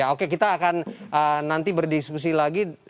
oke kita akan nanti berdiskusi lagi